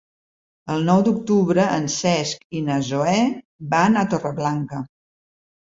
El nou d'octubre en Cesc i na Zoè van a Torreblanca.